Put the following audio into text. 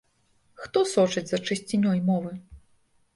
Хто сочыць за чысцінёй мовы?